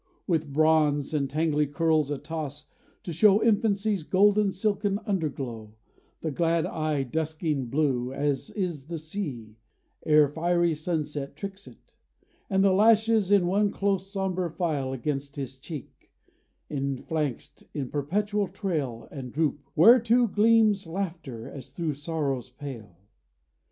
With bronze and tangly curls a toss, to show Infancy's golden silken underglow; The glad eye dusking blue, as is the sea Ere fiery sunset tricks it; and the lashes In one close sombre file against his cheek, Enphalanxed in perpetual trail and droop, Wherethro' gleams laughter as thro' sorrow's pale.